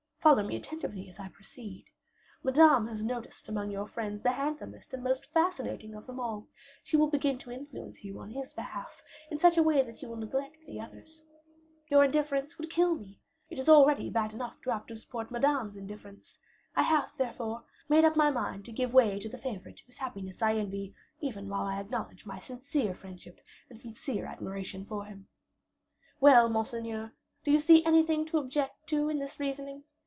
Follow me attentively as I proceed: Madame has noticed among your friends the handsomest and most fascinating of them all; she will begin to influence you on his behalf in such a way that you will neglect the others. Your indifference would kill me; it is already bad enough to have to support Madame's indifference. I have, therefore, made up my mind to give way to the favorite whose happiness I envy, even while I acknowledge my sincere friendship and sincere admiration for him. Well, monseigneur, do you see anything to object to in this reasoning?